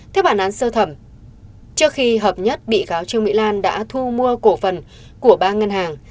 theo bản án sơ thẩm trước khi hợp nhất bị cáo trương mỹ lan đã thu mua cổ phần của ba ngân hàng